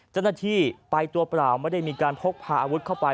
เจ้าหน้าที่ไปตัวเปล่าไม่ได้มีการพกพาอาวุธเข้าไป